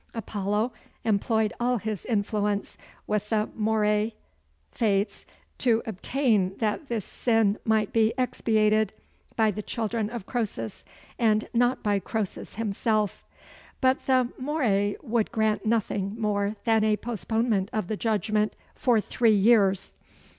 Apollo employed all his influence with the Moeræ (Fates) to obtain that this sin might be expiated by the children of Croesus, and not by Croesus himself; but the Moeræ would grant nothing more than a postponement of the judgment for three years.